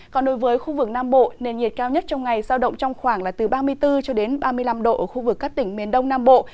còn đối với khu vực nam bộ nền nhiệt cao nhất trong ngày sao động trong khoảng là từ ba mươi bốn ba mươi năm độ ở khu vực các tỉnh miền đông nam bộ